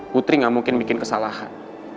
putri gak mungkin bikin kesalahan